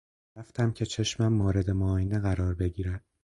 رفتم که چشمم مورد معاینه قرار بگیرد.